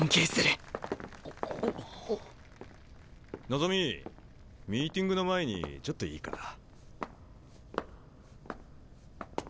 望ミーティングの前にちょっといいかな？